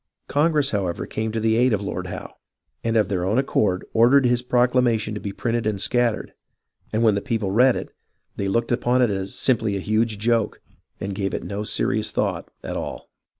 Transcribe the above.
Congress, however, came to the aid of Lord Howe, and of their own accord ordered his proclamation to be printed and scattered, and when THE STRUGGLE ON LONG ISLAND 10/ the people read it, they looked upon it as simply a huge joke, and gave it no serious thought at all.